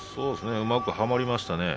うまくはまりましたね。